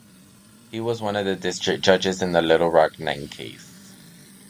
He was one of the district judges in the Little Rock Nine case.